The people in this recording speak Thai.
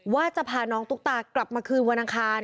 ว่าจะพาน้องตุ๊กตากลับมาคืนวันอังคาร